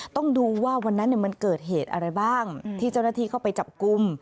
ต้องดูว่าวันนั้นมันเกิดเหตุอะไรบ้างที่เจ้าหน้าที่เข้าไปจับกลุ่ม